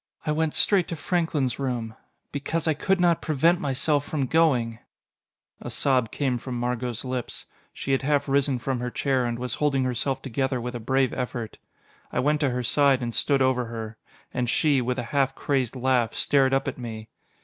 I went straight to Franklin's room because I could not prevent myself from going." A sob came from Margot's lips. She had half risen from her chair, and was holding herself together with a brave effort. I went to her side and stood over her. And she, with a half crazed laugh, stared up at me.